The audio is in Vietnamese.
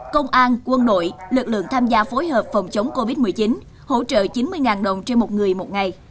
công an quân đội lực lượng tham gia phối hợp phòng chống covid một mươi chín hỗ trợ chín mươi đồng trên một người một ngày